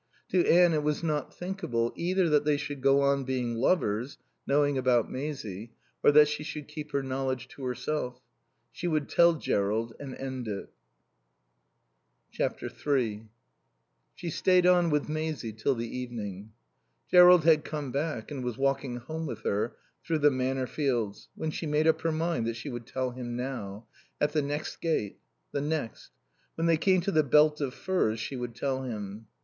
To Anne it was not thinkable, either that they should go on being lovers, knowing about Maisie, or that she should keep her knowledge to herself. She would tell Jerrold and end it. iii She stayed on with Maisie till the evening. Jerrold had come back and was walking home with her through the Manor fields when she made up her mind that she would tell him now; at the next gate the next when they came to the belt of firs she would tell him.